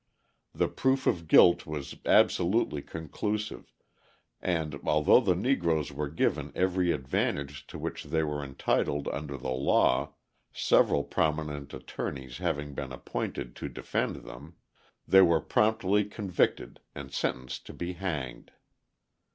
The proof of guilt was absolutely conclusive, and, although the Negroes were given every advantage to which they were entitled under the law, several prominent attorneys having been appointed to defend them, they were promptly convicted and sentenced to be hanged.